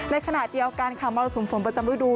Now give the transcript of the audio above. ในขณะเดียวกันค่ะมรสุมฝนประจำฤดู